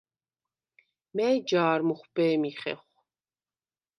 მა̈ჲ ჯა̄რ მუხვბე̄მი ხეხვ?